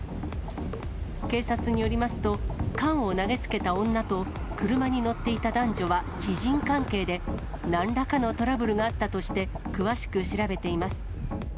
警察によりますと、缶を投げつけた女と車に乗っていた男女は知人関係で、なんらかのトラブルがあったとして、詳しく調べています。